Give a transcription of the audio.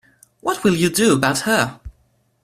What will you do about her?